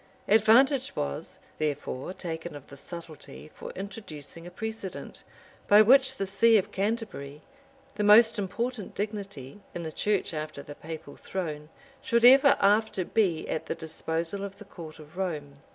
[*] Advantage was, therefore taken of this subtlety for introducing a precedent, by which the see of Canterbury, the most important dignity, in the church after the papal throne, should ever after be at the disposal of the court of Rome.